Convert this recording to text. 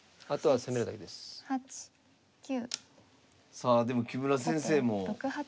さあでも木村先生も。